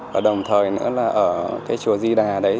và đồng thời nữa là ở cái chùa di đà đấy